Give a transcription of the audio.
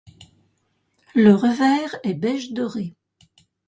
Le revers est beige doré.